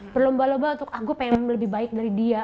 berlomba lomba untuk aku pengen lebih baik dari dia